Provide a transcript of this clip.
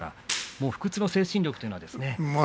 不屈の精神力というのは。